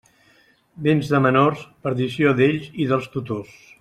Béns de menors, perdició d'ells i dels tutors.